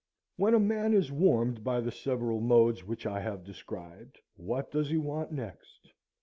When a man is warmed by the several modes which I have described, what does he want next?